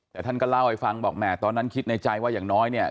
แต่ท่านก็เล่าให้ฟังบอกแหมตอนนั้นคิดในใจว่าอย่างน้อยเนี่ย